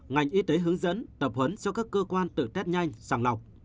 ngành y tế hướng dẫn tập huấn cho các cơ quan tự test nhanh sàng lọc